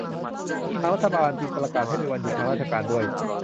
ทางรัฐบาลจึงประกาศให้เป็นวันหยุดทางราชการด้วย